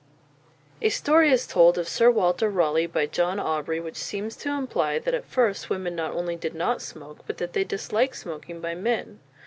A story is told of Sir Walter Raleigh by John Aubrey which seems to imply that at first women not only did not smoke, but that they disliked smoking by men.